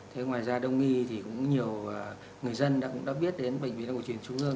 thế ngoài ra đồng nghi thì cũng nhiều người dân đã biết đến bệnh viện đồng hồ chuyển trung ương